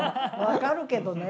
分かるけどね。